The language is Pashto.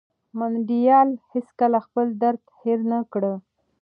منډېلا هېڅکله خپل درد هېر نه کړ.